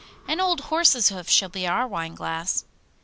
'An old horse's hoof shall be our wineglass.